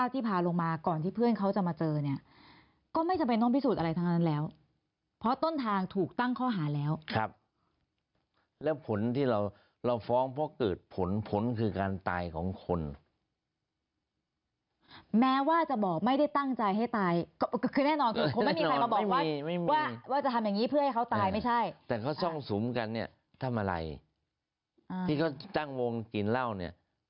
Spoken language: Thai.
แต่ข้อโตแย้งตอนที่พูดถึงนาฬิกาข้อมือ